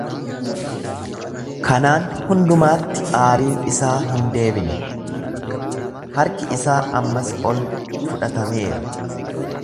Kanaan hundumaatti aariin isaa hin deebine, harki isaa ammas ol fudhatameera.